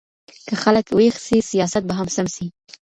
که خلګ ويښ سي سياست به هم سم سي.